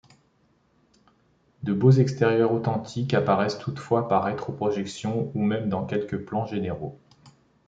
De beaux extérieurs authentiques apparaissent toutefois par rétroprojection ou même dans quelques plans généraux.